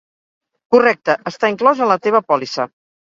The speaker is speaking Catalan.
Correcte, està inclòs en la teva pòlissa.